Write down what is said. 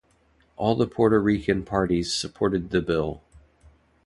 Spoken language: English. All the Puerto Rican parties supported the bill.